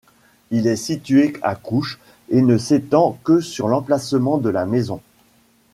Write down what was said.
Il est situé à Couches et ne s'étend que sur l'emplacement de la maison.